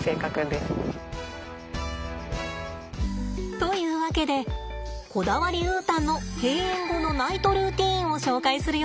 というわけでこだわりウータンの閉園後のナイトルーティンを紹介するよ。